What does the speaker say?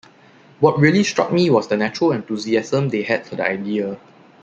What really struck me was the natural enthusiasm they had for the idea.